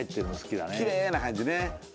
きれいな感じね